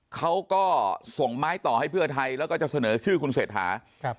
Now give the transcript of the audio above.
เขาก็ส่งไม้ต่อให้เพื่อไทยแล้วก็จะเสนอชื่อคุณเศรษฐาครับ